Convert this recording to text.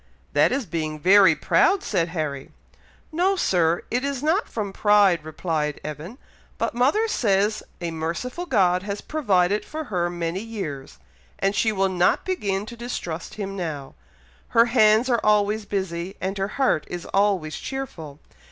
"That is being very proud!" said Harry. "No, Sir! it is not from pride," replied Evan; "but mother says a merciful God has provided for her many years, and she will not begin to distrust Him now. Her hands are always busy, and her heart is always cheerful.